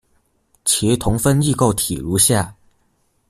其同分异构体如下：